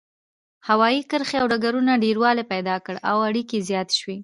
هوايي کرښې او ډګرونو ډیروالی پیدا کړ او اړیکې زیاتې شوې.